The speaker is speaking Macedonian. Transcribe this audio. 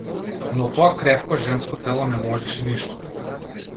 Но тоа кревко женско тело не можеше ништо.